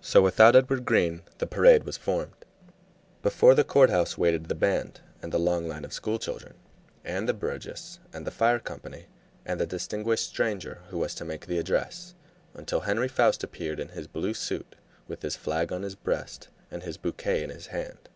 So without Edward Green the parade was formed. Before the court house waited the band, and the long line of school children, and the burgess, and the fire company, and the distinguished stranger who was to make the address, until Henry Foust appeared, in his blue suit, with his flag on his breast and his bouquet in his hand.